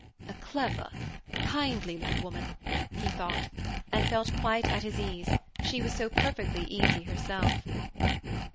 "A clever, kindly little woman," he thought, and felt quite at his ease, she was so perfectly easy herself.